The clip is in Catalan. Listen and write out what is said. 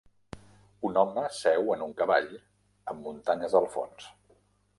Un home seu en un cavall amb muntanyes al fons.